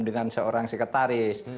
dengan seorang sekretaris